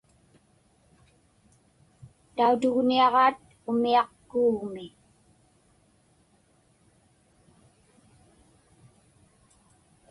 Tautuŋniaġaat umiaq kuuŋmi.